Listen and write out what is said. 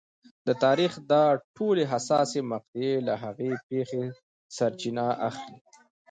د تاریخ دا ټولې حساسې مقطعې له هغې پېښې سرچینه اخلي.